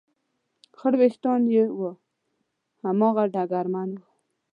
خړ وېښتان یې و، هماغه ډګرمن و.